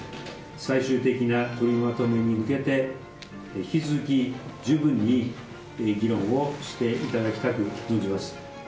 最終的な取りまとめに向けて、引き続き、十分に議論をしていただきたく存じます。